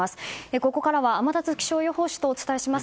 ここからは天達気象予報士とお伝えします。